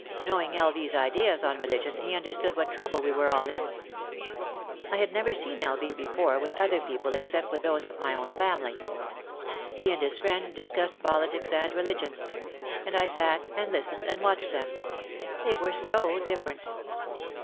Knowing L. V.'s ideas on religion, he understood what trouble we were all in. I had never seen L. V. before with other people except with those of my own family. He and his friend dis cussed politics and religion. And I sat and listened and watched them. They were so different.